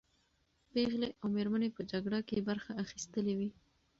پېغلې او مېرمنې په جګړه کې برخه اخیستلې وې.